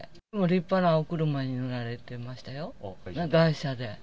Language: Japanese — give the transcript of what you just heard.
立派なお車に乗られてましたよ、外車で。